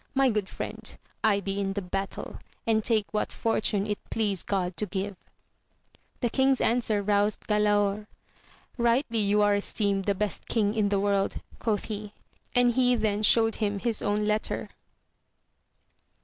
My good friend, I be in the battle, and take what fortune it please God to give. The king's answer roused Galaor; Rightly are you ^esteemed the best king in the world ! quoth he, and he then shewed him Ids own letter.